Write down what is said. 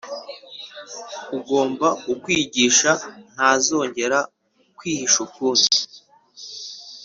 Ugomba kukwigisha ntazongera kwihisha ukundi,